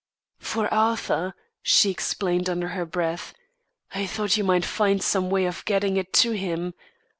"For Arthur," she explained under her breath. "I thought you might find some way of getting it to him.